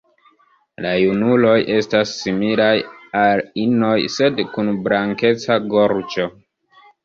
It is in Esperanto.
La junuloj estas similaj al inoj, sed kun blankeca gorĝo.